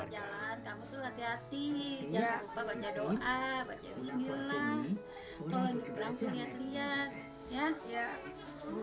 jangan lupa baca doa baca bismillah kalau ada yang berangkat lihat lihat